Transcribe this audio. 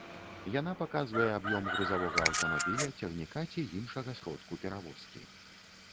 Яна паказвае аб'ём грузавога аўтамабіля, цягніка ці іншага сродку перавозкі.